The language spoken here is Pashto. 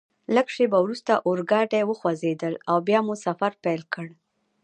لږ شیبه وروسته اورګاډي وخوځېدل او بیا مو سفر پیل کړ.